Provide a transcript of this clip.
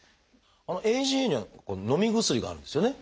ＡＧＡにはのみ薬があるんですよね？